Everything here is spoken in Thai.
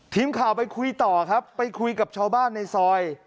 ทีมข่าวไปคุยต่อครับไปคุยกับชาวบ้านในซอย